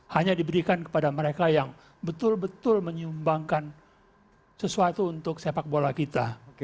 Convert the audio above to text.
hanya diberikan kepada mereka yang betul betul menyumbangkan sesuatu untuk sepak bola kita